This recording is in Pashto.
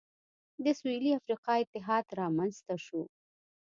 د سوېلي افریقا اتحاد رامنځته شو.